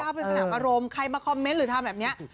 เป็นสนามอารมณ์ใครมาคอมเมนต์หรือทำแบบนี้